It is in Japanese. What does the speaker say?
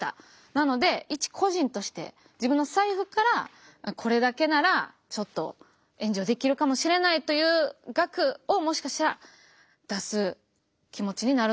なので一個人として自分の財布からこれだけならちょっと援助できるかもしれないという額をもしかしたら出す気持ちになるのではないかと思います。